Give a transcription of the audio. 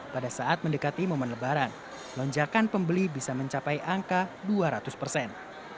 pada saat mendekati momen lebaran lonjakan pembeli bisa mencapai angka dua ratus persen